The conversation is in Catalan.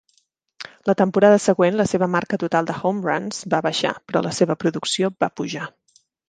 La temporada següent, la seva marca total de home runs va baixar, però la seva producció va pujar.